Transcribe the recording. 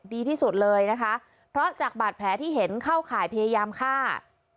ดีที่สุดเลยนะคะเพราะจากบาดแผลที่เห็นเข้าข่ายพยายามฆ่า